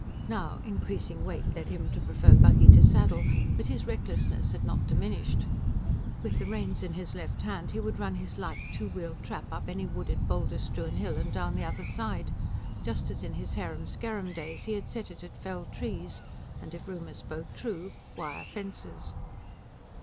Now, increasing weight led him to prefer buggy to saddle; but his recklessness had not diminished. With the reins in his left hand, he would run his light, two wheeled trap up any wooded, boulder strewn hill and down the other side, just as in his harum scarum days he had set it at felled trees, and, if rumour spoke true, wire fences.